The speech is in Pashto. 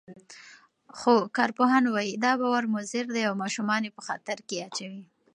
خو کارپوهان وايي، دا باور مضر دی او ماشومان یې په خطر کې اچوي.